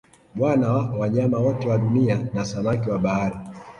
Bwana wa Wanyama wote wa Dunia na samaki wa Bahari